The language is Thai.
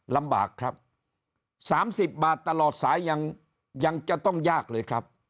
ลำบากครับ๓๐บาทตลอดสายยังจะต้องยากเลยครับ